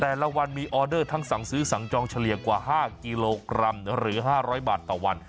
แต่ละวันมีออเดอร์ทั้งสั่งซื้อสั่งจองเฉลี่ยกว่า๕กิโลกรัมหรือ๕๐๐บาทต่อวัน